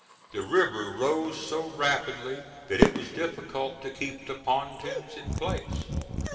The river rose so rapidly that it was difficult to keep the pontoons in place.